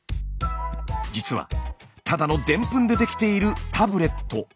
実はただのでんぷんで出来ているタブレット。